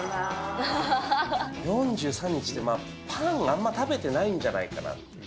４３日って、パン、あんまり食べてないんじゃないかなっていう。